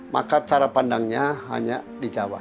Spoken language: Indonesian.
maka cara pandangnya hanya di jawa